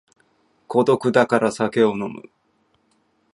孤独だから酒を飲む